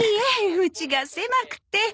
うちが狭くて。